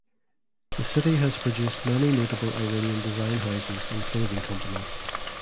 The city has produced many notable Iranian design houses and clothing companies.